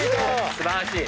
素晴らしい。